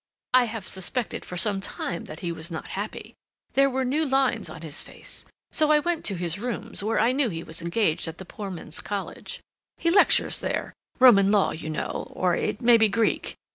"I have suspected for some time that he was not happy. There were new lines on his face. So I went to his rooms, when I knew he was engaged at the poor men's college. He lectures there—Roman law, you know, or it may be Greek.